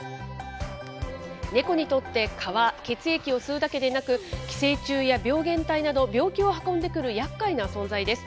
ネコにとって蚊は血液を吸うだけでなく、寄生虫や病原体など、病気を運んでくるやっかいな存在です。